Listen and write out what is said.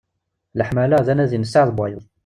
Leḥmala, d anadi n sseɛd n wayeḍ.